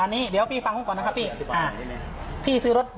อันนี้เดี๋ยวพี่ฟังคุณก่อนนะครับพี่